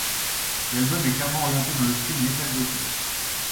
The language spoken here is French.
L'album est clairement orienté dans le style metal gothique.